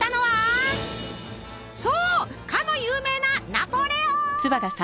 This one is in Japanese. そうかの有名なナポレオン！